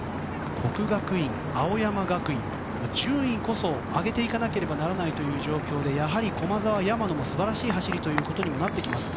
國學院、青山学院、順位こそ上げていかなければならない状況でやはり駒澤、山野の素晴らしい走りということになってきます。